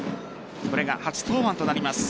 これが初登板となります。